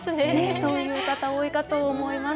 そういう方、多いかと思います。